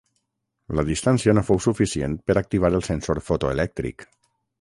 La distància no fou suficient per activar el sensor fotoelèctric.